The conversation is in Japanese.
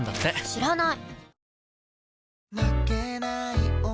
知らない！